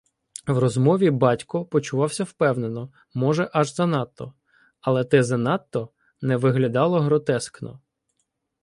В розмові "батько" почувався впевнено, може аж занадто, але те "занадто" не виглядало гротескно.